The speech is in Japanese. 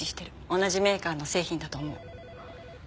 同じメーカーの製品だと思う。